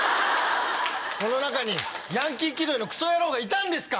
この中にヤンキー気取りのクソ野郎がいたんですか？